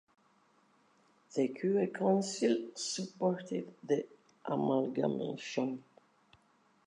The Cue council supported the amalgamation.